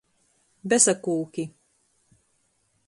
Besakūki.